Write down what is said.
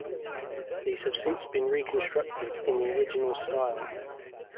These have since been reconstructed in the original style.